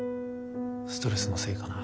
ストレスのせいかな